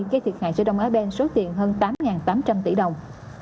gây thiệt hại cho đông á ben số tiền hơn tám tám trăm linh tỷ đồng